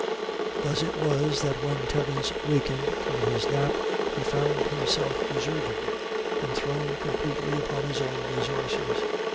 Thus it was that when Terence wakened from his nap, he found himself deserted, and thrown completely upon his own resources.